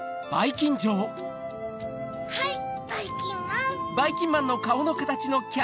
・はいばいきんまん・ん？